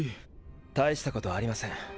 大したことありません。